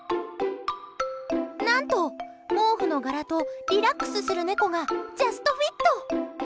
何と、毛布の柄とリラックスする猫がジャストフィット。